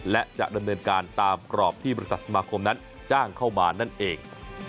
และจะดำเนินการตามกรอบที่บริษัทสมาคมนั้นจ้างเข้ามานั่นเอง